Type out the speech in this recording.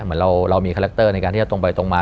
เหมือนเรามีคาแรคเตอร์ในการที่จะตรงไปตรงมา